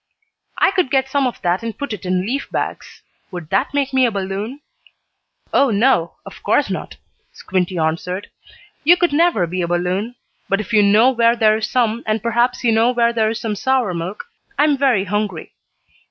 "I could get some of that and put it in leaf bags. Would that make me a balloon?" "Oh, no, of course not," Squinty answered. "You could never be a balloon. But if you know where there is some sand perhaps you know where there is some sour milk. I am very hungry."